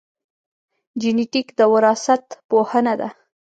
جینېټیک د وراثت پوهنه ده